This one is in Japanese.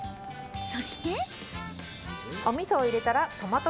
そして。